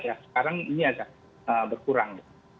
sekarang ini agak berkurang